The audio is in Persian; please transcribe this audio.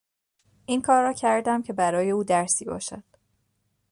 این کار را کردم که برای او درسی باشد.